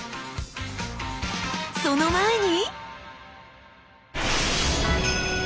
その前に。